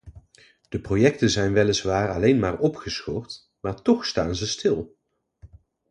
De projecten zijn weliswaar alleen maar opgeschort, maar toch staan ze stil!